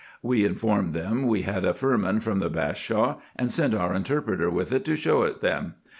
We informed them we had a firman from the Bashaw, and sent our interpreter with it to show it them.